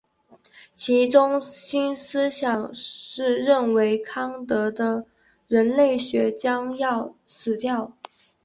其中心思想是认为康德的人类学将要死掉。